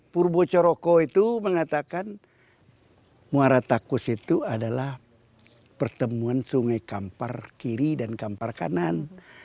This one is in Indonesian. purbo coroko itu mengatakan muara takus itu adalah pertemuan sungai kampar kiri dan kampar kanan